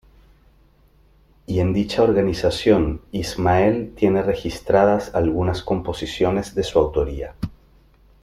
Y en dicha organización, Ismael tiene registradas algunas composiciones de su autoría.